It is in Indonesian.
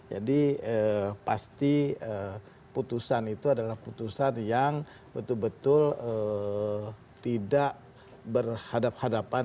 jadi pasti putusan itu adalah putusan yang betul betul tidak berhadapan dengan kebenaran